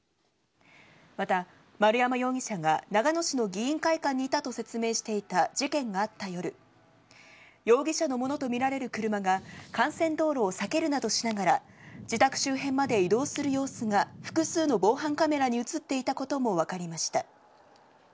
また、丸山容疑者が長野市の議員会館にいたと説明していた事件があった夜容疑者のものとみられる車が幹線道路を避けるなどしながら自宅周辺まで移動する様子が複数の防犯カメラに映っていたことも分かりました。